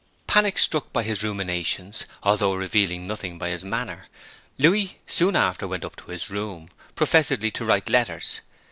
Panic struck by his ruminations, although revealing nothing by his manner, Louis soon after went up to his room, professedly to write letters.